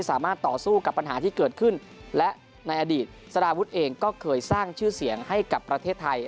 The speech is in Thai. สามารถต่อสู้กับปัญหาที่เกิดขึ้นและในอดีตสารวุฒิเองก็เคยสร้างชื่อเสียงให้กับประเทศไทย